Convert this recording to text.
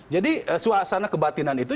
jadi suasana kebatinan itu